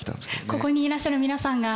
ここにいらっしゃる皆さんがきっと。